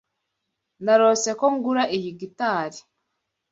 Narose ko ngura iyi gitari.